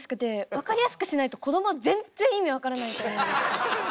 分かりやすくしないとこどもは全然意味分からないと思うんです。